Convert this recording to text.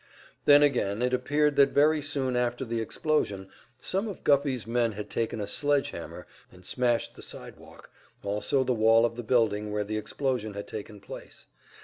Then again, it appeared that very soon after the explosion some of Guffey's men had taken a sledge hammer and smashed the sidewalk, also the wall of the building where the explosion had taken place.